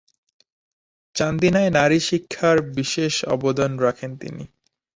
চান্দিনায় নারী শিক্ষার বিশেষ অবদান রাখেন তিনি।